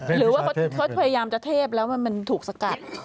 หรือว่าเขาพยายามจะเทพแล้วมันถูกสกัด